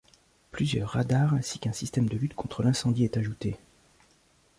Plusieurs radars ainsi qu'un système de lutte contre l'incendie est ajouté.